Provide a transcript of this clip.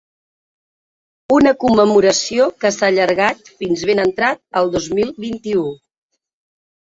Una commemoració que s’ha allargat fins ben entrat el dos mil vint-i-u.